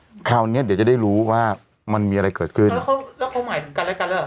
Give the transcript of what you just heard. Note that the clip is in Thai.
คราวเนี้ยเดี๋ยวจะได้รู้ว่ามันมีอะไรเกิดขึ้นแล้วเขาแล้วเขาหมายถึงกันและกันแล้วเห